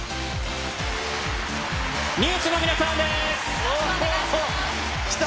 ＮＥＷＳの皆さんです。